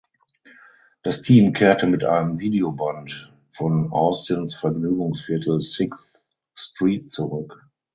Das Team kehrte mit einem Videoband von Austins Vergnügungsviertel Sixth Street zurück.